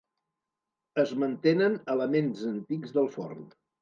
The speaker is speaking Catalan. Es mantenen elements antics del forn.